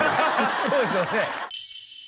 そうですよね